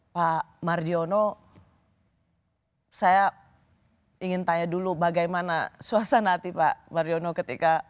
pak mardiono saya ingin tanya dulu bagaimana suasana hati pak mardiono ketika